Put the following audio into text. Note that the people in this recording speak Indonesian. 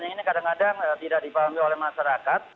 ini kadang kadang tidak dipahami oleh masyarakat